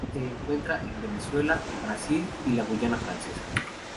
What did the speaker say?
Se encuentra en Venezuela, Brasil y la Guayana Francesa.